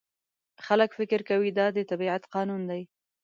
خلک فکر کوي دا د طبیعت قانون دی.